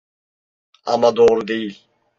Ama doğru değil.